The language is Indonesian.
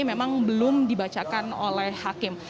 memang belum dibacakan oleh hakim